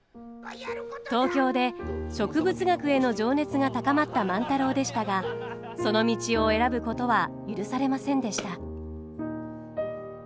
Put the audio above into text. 東京で植物学への情熱が高まった万太郎でしたがその道を選ぶことは許されませんでした。